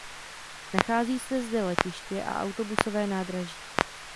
Nachází se zde letiště a autobusové nádraží.